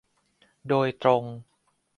โดยตรง